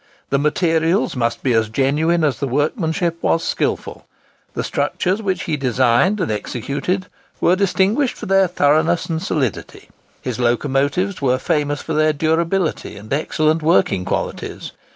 The materials must be as genuine as the workmanship was skilful. The structures which he designed and executed were distinguished for their thoroughness and solidity; his locomotives were famous for their durability and excellent working qualities.